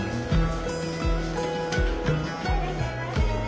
はいいらっしゃいませ。